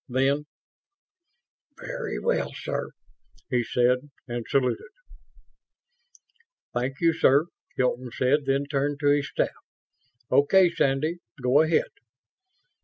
Then, "Very well sir," he said, and saluted. "Thank you, sir," Hilton said, then turned to his staff. "Okay, Sandy, go ahead."